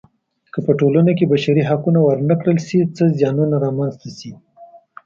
که په ټولنه کې بشري حقونه ورنه کړل شي څه زیانونه رامنځته شي.